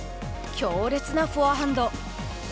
強烈なフォアハンド。